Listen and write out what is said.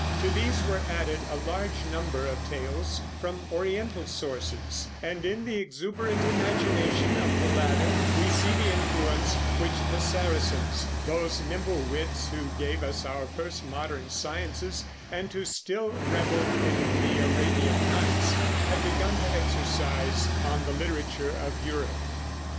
To these were added a large number of tales from Oriental sources; and in the exuberant imagination of the latter we see the influence which the Saracens those nimble wits who gave us our first modern sciences and who still reveled in the Arabian Nights had begun to exercise on the literature of Europe.